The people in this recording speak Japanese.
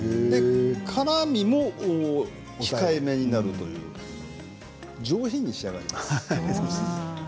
辛みも控えめになるという上品に仕上がります。